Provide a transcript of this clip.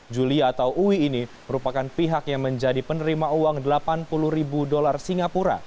julia atau ui ini merupakan pihak yang menjadi penerima uang delapan puluh ribu dolar singapura